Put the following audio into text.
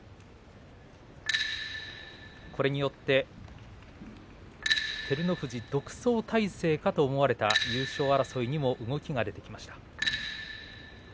これによって照ノ富士独走態勢かと思われた優勝争いにも動きが出てきました。